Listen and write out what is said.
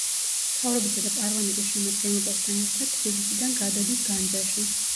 მთავრობისა და პარლამენტის შემადგენლობასთან ერთად თბილისიდან გადადის განჯაში.